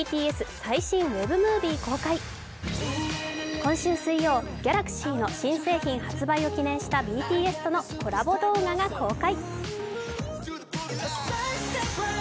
今週水曜、Ｇａｌａｘｙの新製品発売を記念したＢＴＳとのコラボ動画が公開。